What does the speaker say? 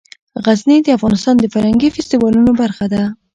غزني د افغانستان د فرهنګي فستیوالونو برخه ده.